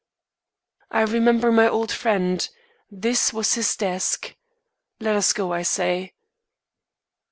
I remember my old friend this was his desk. Let us go, I say."